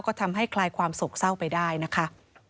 ก็ทำให้คลายความโศกเศร้าไปได้นะคะ